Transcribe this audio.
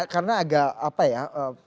karena agak apa ya